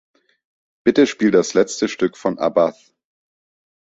Bitte spiel das letzte Stück von Abbath.